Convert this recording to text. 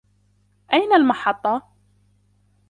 أين المحطة ؟